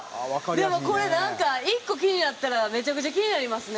でもこれなんか１個気になったらめちゃくちゃ気になりますね。